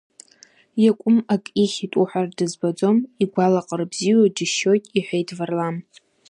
Иакәым ак ихьит уҳәартә дызбаӡом, игәалаҟара бзиоу џьысшьоит, — иҳәеит Варлам.